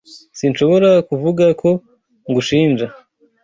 Sinshobora kuvuga ko ngushinja.